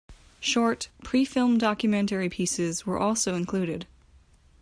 Short, pre-filmed documentary pieces were also included.